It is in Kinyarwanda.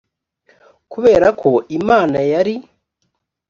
kubera ko imana yari